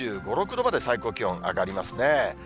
２５、６度まで最高気温上がりますね。